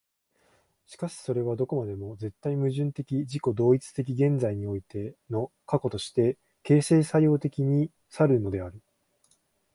しかしそれはどこまでも絶対矛盾的自己同一的現在においての過去として、形成作用的に然るのである。